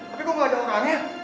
tapi kok gaada orangnya